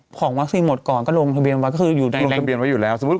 ของวัสดิ์หมดก่อนก็ลงทะเบียนไว้แหลง